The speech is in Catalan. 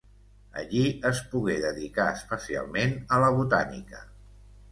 Allí es pogué dedicar especialment a la botànica.